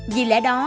vì lẽ đó